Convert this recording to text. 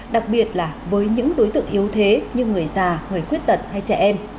đặc biệt là với những đối tượng yếu thế như người già người khuyết tật hay trẻ em